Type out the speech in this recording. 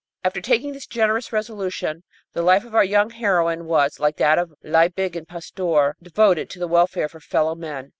After taking this generous resolution, the life of our young heroine was, like that of Liebig and Pasteur, devoted to the welfare of her fellowmen.